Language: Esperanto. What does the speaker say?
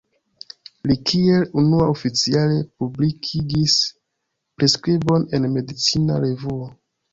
Li kiel unua oficiale publikigis priskribon en medicina revuo.